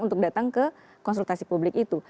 untuk datang ke konsultasi publik itu